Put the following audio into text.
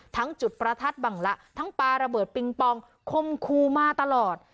จุดประทัดบังละทั้งปลาระเบิดปิงปองคมคูมาตลอด